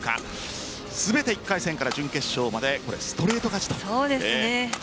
全て１回戦から準決勝までストレート勝ちという。